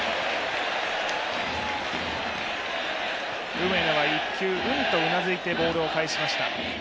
梅野は１球、うんとうなずいてボールを返しました。